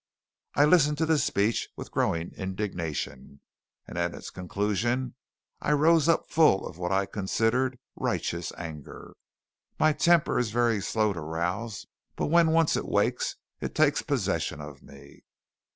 I listened to this speech with growing indignation; and at its conclusion I rose up full of what I considered righteous anger. My temper is very slow to rouse, but when once it wakes, it takes possession of me.